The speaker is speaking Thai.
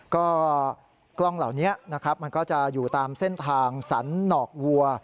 ก็กล้องเหล่านี้นะครับมันก็จะอยู่ตามเส้นทางสรรหนอกวัว